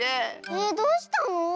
えっどうしたの？